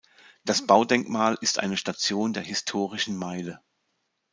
Das Baudenkmal ist eine Station der Historischen Meile.